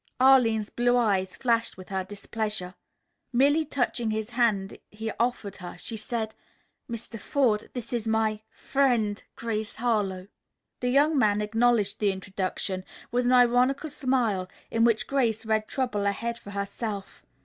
Arline's blue eyes flashed forth her displeasure. Merely touching the hand he offered her, she said, "Mr. Forde, this is my friend, Grace Harlowe." The young man acknowledged the introduction with an ironical smile in which Grace read trouble ahead for herself.